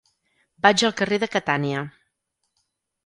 Vaig al carrer de Catània.